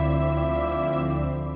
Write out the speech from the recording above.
dusun mem gomez